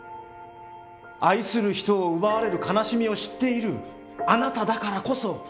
愛する人を奪われる悲しみを知っているあなただからこそ。